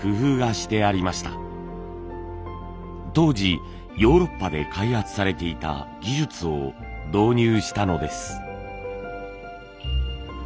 当時ヨーロッパで開発されていた技術を導入したのです。